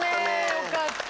よかった。